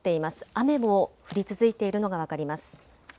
雨も降り続いているのが分かります。